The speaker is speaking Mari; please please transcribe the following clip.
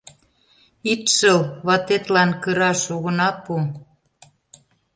Ит шыл, ватетлан кыраш огына пу.